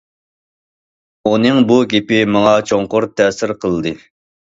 ئۇنىڭ بۇ گېپى ماڭا چوڭقۇر تەسىر قىلدى.